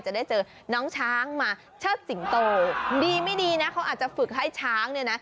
จะได้เจอน้องช้างมาเชิดสิงโตดีไม่ดีนะเขาอาจจะฝึกให้ช้างเนี่ยนะ